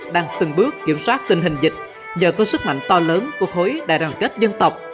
đang từng bước kiểm soát tình hình dịch nhờ có sức mạnh to lớn của khối đại đoàn kết dân tộc